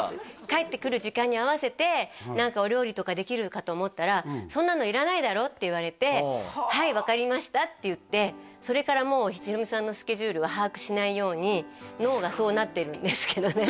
帰ってくる時間に合わせて何かお料理とかできるかと思ったらそんなのいらないだろ？って言われてはい分かりましたって言ってそれからもうヒロミさんのスケジュールは把握しないように脳がそうなってるんですけどね